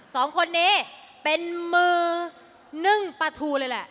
สองคนนี้เป็นมือนึ่งปลาทูเลยแหละ